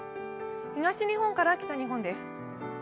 東日本から北日本です。